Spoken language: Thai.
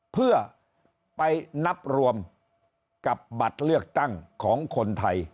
เพื่อไปนับรวมกับบัตรเลือกตั้งของคนไทย